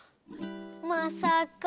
まさか。